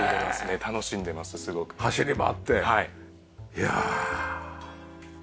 いや。